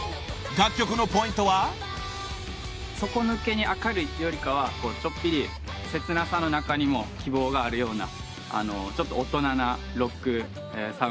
底抜けに明るいというよりかはちょっぴり切なさの中にも希望があるようなちょっと大人なロックサウンドにできました。